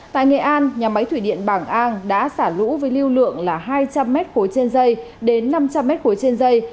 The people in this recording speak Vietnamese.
tại nghệ an nhà máy thủy điện bảng an đã xả lũ với lưu lượng là hai trăm linh m ba trên dây đến năm trăm linh m ba trên dây